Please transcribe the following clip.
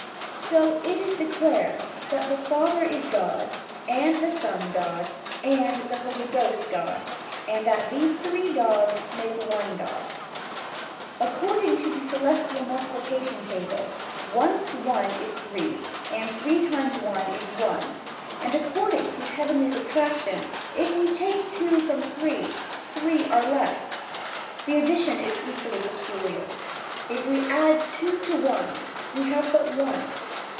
So, it is declared that the Father is God, and the Son God and the Holy Ghost God, and that these three Gods make one God. According to the celestial multiplication table, once one is three, and three times one is one, and according to heavenly subtraction if we take two from three, three are left. The addition is equally peculiar, if we add two to one we have but one.